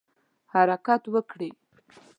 حرکت وکړي.